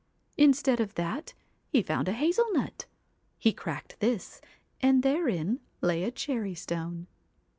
Instead of that he found a hazel 217 THE nut. He cracked this, and therein lay a cherry WHITE stone.